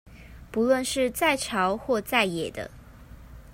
不論是在朝或在野的